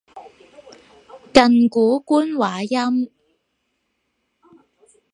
近古官話音